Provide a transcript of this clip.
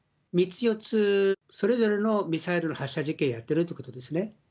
３つ、４つ、それぞれのミサイルの発射実験をやってるということですね。